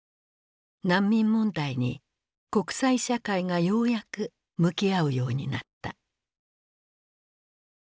難民問題に国際社会がようやく向き合うようになった。